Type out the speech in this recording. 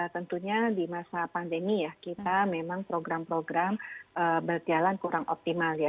tentunya di masa pandemi ya kita memang program program berjalan kurang optimal ya